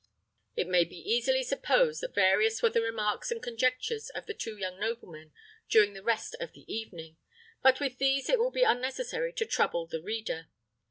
It may be easily supposed that various were the remarks and conjectures of the two young noblemen during the rest of the evening, but with these it will be unnecessary to trouble the reader.